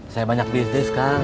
saya banyak bisnis kang